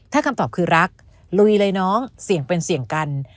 ถ้าคำตอบคือรักลุยเลยน้องเสี่ยงเป็นเสี่ยงกัน